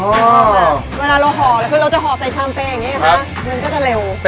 อ๋อเวลาเราห่อคือเราจะห่อใส่ชามเป๊งอย่างเงี้ยค่ะ